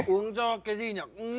uống cho cái gì nhỉ